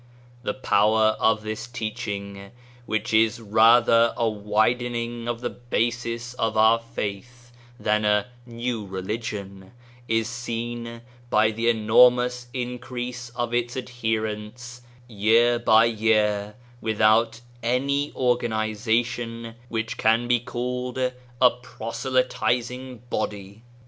The power of this teaching which is rather a widen ing of the basis of our faith than a * new religion,' is seen by the enormous increase of its adherents year by year, without any organisation which can be called a proselytising bcdy.